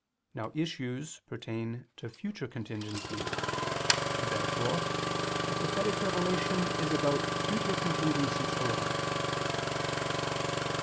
Now issues pertain to future contingencies. Therefore the prophetic revelation is about future contingencies alone.